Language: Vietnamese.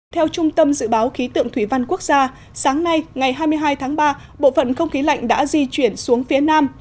theo trung tâm dự báo khí tượng thủy văn quốc gia sáng nay ngày hai mươi hai tháng ba bộ phận không khí lạnh đã di chuyển xuống phía nam